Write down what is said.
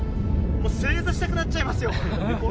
正座したくなっちゃいますよ。